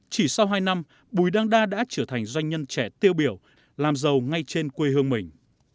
chỉ sau hai năm bùi đăng đa đã trở thành doanh nhân trẻ tiêu biểu làm giàu ngay trên quê hương mình